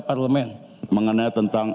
parlemen mengenai tentang